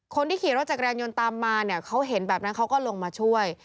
คนที่ขี่รถจักรยานยนต์ตามมาเนี่ยเขาเห็นแบบนั้นเขาก็ลงมาช่วย